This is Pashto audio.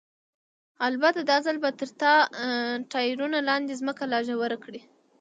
البته دا ځل به تر ټایرونو لاندې ځمکه لا ژوره کړو.